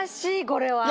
これは。